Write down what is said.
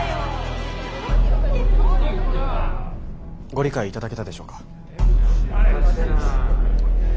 ご理解いただけたでしょうか。